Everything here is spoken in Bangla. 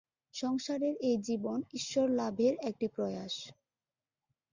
সংসারের এই জীবন ঈশ্বরলাভের একটি প্রয়াস।